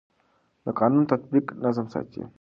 د قانون تطبیق نظم ساتي